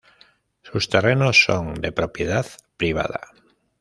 Sus terrenos son de propiedad privada.